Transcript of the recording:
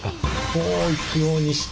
こう行くようにして。